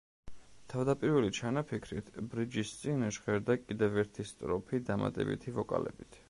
თავდაპირველი ჩანაფიქრით, ბრიჯის წინ ჟღერდა კიდევ ერთი სტროფი დამატებითი ვოკალებით.